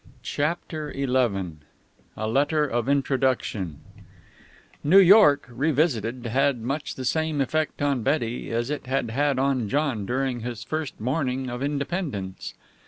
CHAPTER XI A LETTER OF INTRODUCTION New York, revisited, had much the same effect on Betty as it had had on John during his first morning of independence.